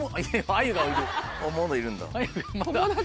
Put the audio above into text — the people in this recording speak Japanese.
まだいるんだ。